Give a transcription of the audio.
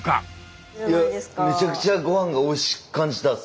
いやめちゃくちゃごはんがおいしく感じた。